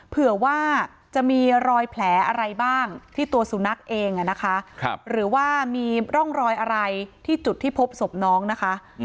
เผื่อว่าจะมีรอยแผลอะไรบ้างที่ตัวสุนัขเองนะคะหรือว่ามีร่องรอยอะไรที่จุดที่พบศพน้องนะคะ